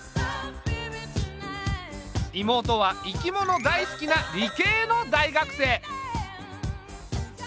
妹は生き物大好きな理系の大学生。